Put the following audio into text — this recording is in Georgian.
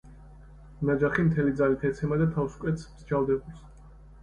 ნაჯახი მთელი ძალით ეცემა და თავს კვეთს მსჯავრდებულს.